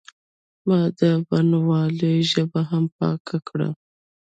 ما د بڼوالۍ ژبه هم پاکه کړه.